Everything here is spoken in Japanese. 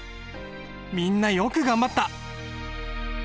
みんなよく頑張った！